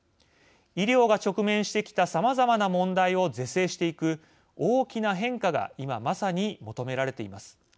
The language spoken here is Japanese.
医療が直面してきたさまざまな問題を是正していく大きな変化が今、まさに求められています。